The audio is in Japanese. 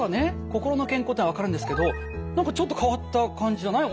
心の健康っていうのは分かるんですけど何かちょっと変わった感じじゃない？